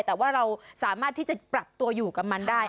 แต่ว่าเราสามารถที่จะปรับตัวอยู่กับมันได้